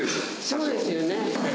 そうですよね。